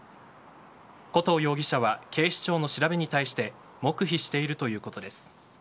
古東容疑者は警視庁の調べに対して黙秘しているということです。